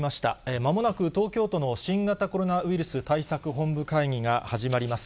まもなく東京都の新型コロナウイルス対策本部会議が始まります。